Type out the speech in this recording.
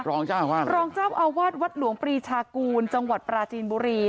รองเจ้าอาวาสรองเจ้าอาวาสวัดหลวงปรีชากูลจังหวัดปราจีนบุรี